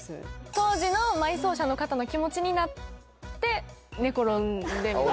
当時の埋葬者の方の気持ちになって寝転んでみる。